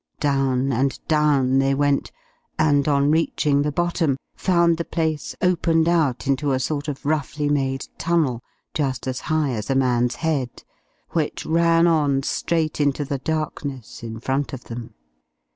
Down and down they went, and on reaching the bottom, found the place opened out into a sort of roughly made tunnel, just as high as a man's head, which ran on straight into the darkness in front of them.